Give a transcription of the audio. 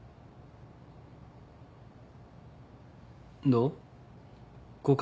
どう？